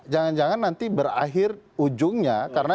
jangan jangan nanti berakhir ujungnya karena